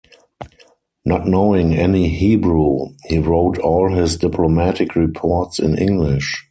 Not knowing any Hebrew, he wrote all his diplomatic reports in English.